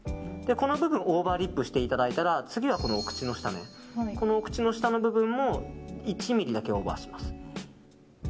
この部分オーバーリップしていただいたら次はお口の下の部分も１ｍｍだけオーバーします。